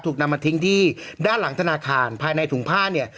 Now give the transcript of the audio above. นำมาทิ้งที่ด้านหลังธนาคารภายในถุงผ้าเนี่ย